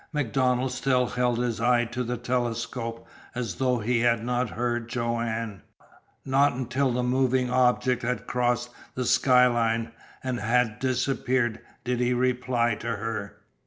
MacDonald still held his eye to the telescope, as though he had not heard Joanne. Not until the moving object had crossed the skyline, and had disappeared, did he reply to her.